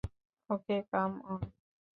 Okay, come on!